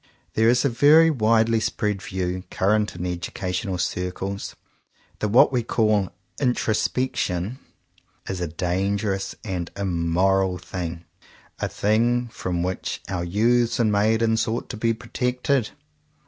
There is a very widely spread view, current in educational circles, that what we call "introspection" is a dangerous and immoral thing, a thing from which our youths and maidens ought to be protected.